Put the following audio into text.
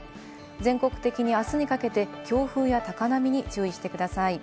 全国的に明日にかけて強風や高波に注意してください。